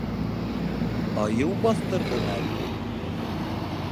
Айыу баҫтырҙымы әллә?